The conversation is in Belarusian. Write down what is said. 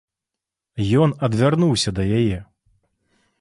Ён адвярнуўся да яе.